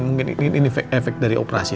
mungkin ini efek dari operasi